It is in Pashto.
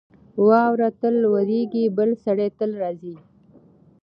واوره تل اورېږي. بل سړی تل راځي.